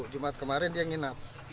jumat kemarin dia nginap